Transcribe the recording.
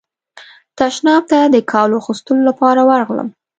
تشناب ته د کالو اغوستلو لپاره ورغلم.